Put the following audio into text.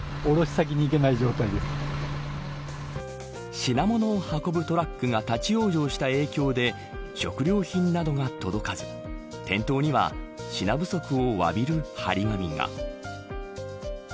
品物を運ぶトラックが立ち往生した影響で食料品などが届かず店頭には品不足をわびる張り紙が。